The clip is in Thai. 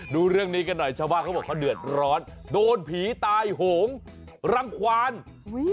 ดูเรื่องนี้กันหน่อยชาวบ้านเขาบอกเขาเดือดร้อนโดนผีตายโหงรังควานอุ้ย